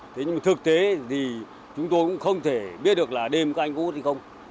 thế nhưng thực tế thì chúng tôi cũng không thể biết được là đêm các anh cũng hút đi không